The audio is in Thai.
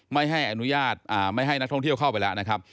ไม่ให้อนุญาตไม่ให้นักท่องเที่ยวเข้าไปแล้วนะครับ